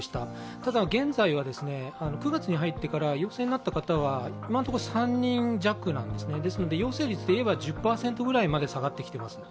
ただ現在は９月に入ってから陽性になった方は今のところ３人弱ですので、陽性率でいえば１０％ぐらいまで下がってきています。